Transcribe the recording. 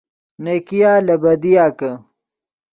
نیکیا لے بدیا کہ